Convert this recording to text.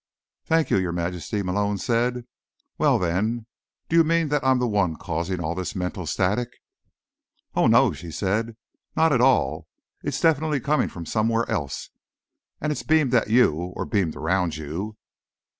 "Thank you, Your Majesty," Malone said. "Well, then. Do you mean that I'm the one causing all this mental static?" "Oh, no," she said. "Not at all. It's definitely coming from somewhere else, and it's beamed at you, or beamed around you."